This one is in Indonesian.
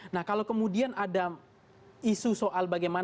nah kalau kemudian ada isu soal bagaimana ini menyebabkan